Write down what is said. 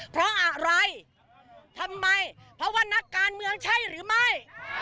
เพราะอะไรทำไมเพราะว่านักการเมืองใช่หรือไม่